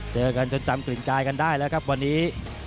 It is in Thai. เจอกันจนจำกลิ่นกายกันได้แล้วครับวันนี้